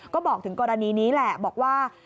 ก็บอกถึงกรณีนี้แหละบอกว่า